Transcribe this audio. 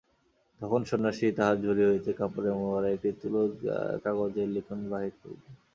তখন সন্ন্যাসী তাঁহার ঝুলি হইতে কাপড়ে মোড়া একটি তুলট কাগজের লিখন বাহির করিলেন।